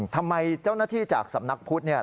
ทำไมเจ้าหน้าที่จากสำนักพุทธเนี่ย